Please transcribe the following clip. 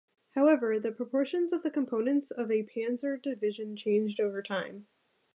However, the proportions of the components of a panzer division changed over time.